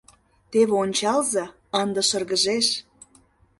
— Теве ончалза, ынде шыргыжеш.